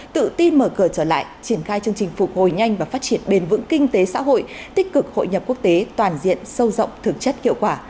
tự tin mở cửa trở lại triển khai chương trình phục hồi nhanh và phát triển bền vững kinh tế xã hội tích cực hội nhập quốc tế toàn diện sâu rộng thực chất hiệu quả